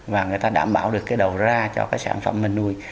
và người ta đảm bảo được cái đầu ra cho cái sản phẩm mình nuôi